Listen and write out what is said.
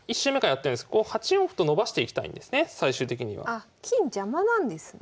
あっ金邪魔なんですね。